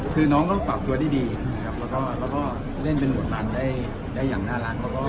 คือน้องก็เปล่าจังหวะดีดีแล้วก็เล่นเป็นหลวดบันได้อย่างน่ารัก